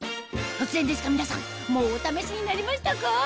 突然ですが皆さんもうお試しになりましたか？